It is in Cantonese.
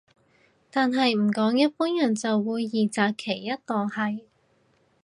但係唔講一般人就會二擇其一當係